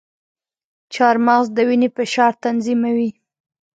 چارمغز د وینې فشار تنظیموي.